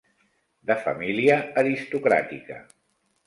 De família aristocràtica.